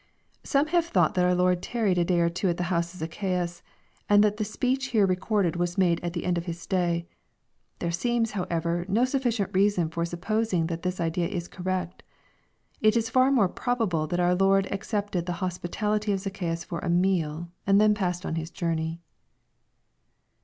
] Some have thought that our Lord tarried a day or two at the house of Zacchaeus, and that the speech here recorded was made at the end of His stay. There seems, how ever, no sufficient reason for supposing that this idea is correct. It is far more probable that our Lord accepted the hospitadity of Zacchaeus for a meal, and then passed on His journey.